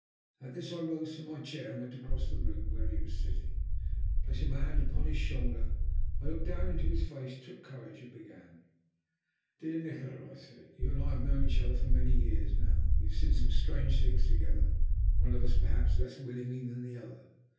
At this I rose from my chair and went across the room to where he was sitting. Placing my hand upon his shoulder I looked down into his face, took courage, and began. "Doctor Nikola," I said, "you and I have known each other for many years now. We have seen some strange things together, one of us perhaps less willingly than the other.